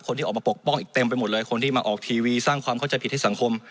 คนที่ออกมาปกป้องอีกเต็มไปหมดเลยคนที่มาออกทีวีสร้างความเข้าใจผิดให้สังคม